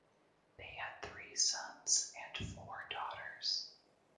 They had three sons and four daughters.